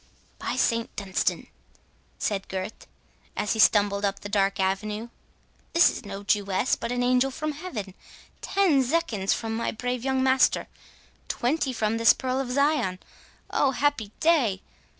"By St Dunstan," said Gurth, as he stumbled up the dark avenue, "this is no Jewess, but an angel from heaven! Ten zecchins from my brave young master—twenty from this pearl of Zion—Oh, happy day!